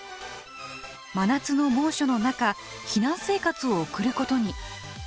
真夏の猛暑の中避難生活を送ることに。